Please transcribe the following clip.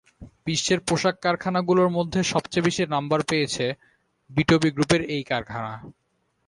বিশ্বের পোশাক কারখানাগুলোর মধ্যে সবচেয়ে বেশি নম্বর পেয়েছে বিটপি গ্রুপের এই কারখানা।